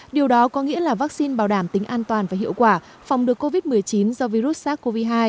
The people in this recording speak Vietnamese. điều đó có nghĩa là vaccine bảo đảm tính an toàn và hiệu quả phòng được covid một mươi chín do virus sars cov hai